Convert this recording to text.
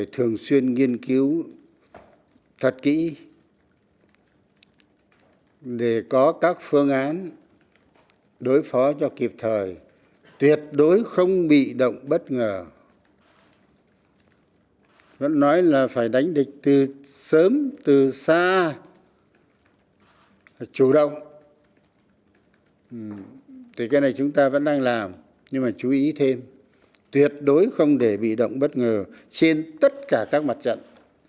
tổ quốc vẫn đang làm nhưng mà chú ý thêm tuyệt đối không để bị động bất ngờ trên tất cả các mặt trận